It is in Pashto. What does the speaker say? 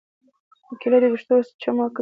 کېله د ویښتو چمک زیاتوي.